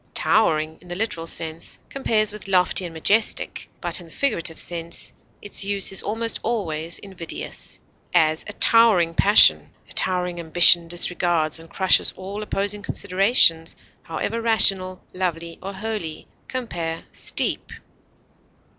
Towering, in the literal sense compares with lofty and majestic; but in the figurative sense, its use is almost always invidious; as, a towering passion; a towering ambition disregards and crushes all opposing considerations, however rational, lovely, or holy. Compare STEEP.